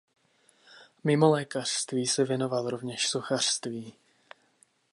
Mimo lékařství se věnoval rovněž sochařství.